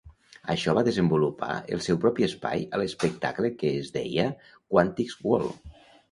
Això va desenvolupar el seu propi espai a l"espectable que es deia "Quantick's World".